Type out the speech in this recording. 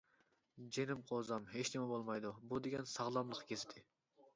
— جېنىم قوزام، ھېچنېمە بولمايدۇ، بۇ دېگەن ‹ ‹ساغلاملىق گېزىتى› ›.